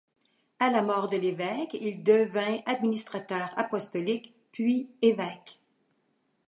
À la mort de l'évêque, il devint administrateur apostolique puis évêque.